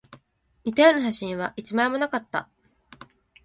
似たような写真は一枚もなかった